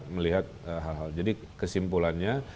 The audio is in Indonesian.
melihat hal hal jadi kesimpulannya